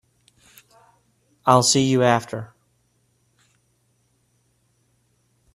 I'll see you after.